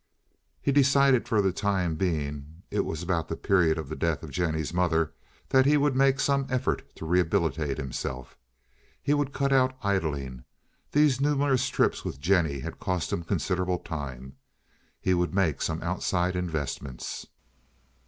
He decided for the time being—it was about the period of the death of Jennie's mother—that he would make some effort to rehabilitate himself. He would cut out idling—these numerous trips with Jennie had cost him considerable time. He would make some outside investments.